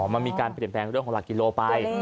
มันมีการเปลี่ยนแปลงเรื่องของหลักกิโลไป